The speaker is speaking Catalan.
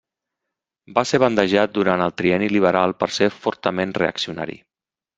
Va ser bandejat durant el Trienni liberal per ser fortament reaccionari.